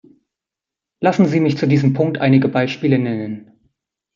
Lassen Sie mich zu diesem Punkt einige Beispiele nennen.